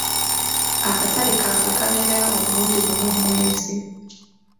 Akatale kaabwe kabeerayo omulundi gumu mu mwezi.